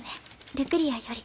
ルクリアより」。